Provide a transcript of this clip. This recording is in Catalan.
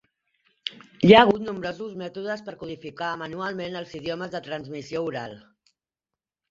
Hi ha hagut nombrosos mètodes per codificar manualment els idiomes de transmissió oral.